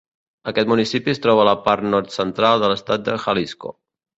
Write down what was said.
Aquest municipi es troba a la part nord-central de l'estat de Jalisco.